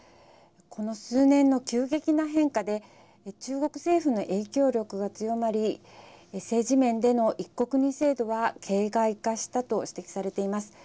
この数年の急激な変化で中国政府の影響力が強まり政治面での一国二制度は形骸化したと指摘されています。